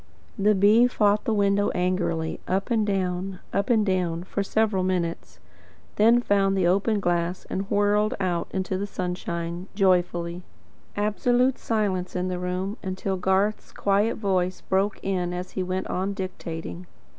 The bee fought the window angrily, up and down, up and down, for several minutes; then found the open glass and whirled out into the sunshine, joyfully. Absolute silence in the room, until Garth's quiet voice broke it as he went on dictating.